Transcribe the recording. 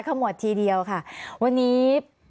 ขมวดทีเดียวค่ะวันนี้